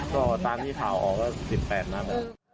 ก็ตามที่ข่าวออกก็๑๘นัด